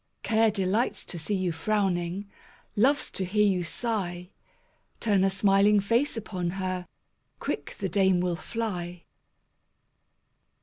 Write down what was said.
Care delights to see you frowning, Loves to hear you sigh; Turn a smiling face upon her— Quick the dame will fly.